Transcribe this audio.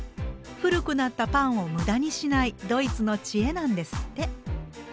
古くなったパンを無駄にしないドイツの知恵なんですって。